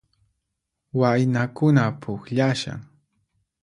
Waynakuna pukllashan